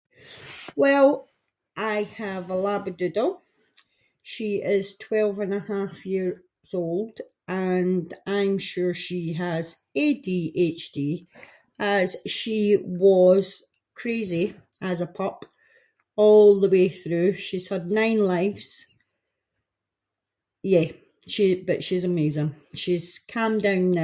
Well, I have a labradoodle, she is twelve-and-a-half-years-old and I’m sure she has ADHD, as she was crazy as a pup, all the way through, she’s had nine lives. Yeah she- but she’s amazing, she’s calmed down now.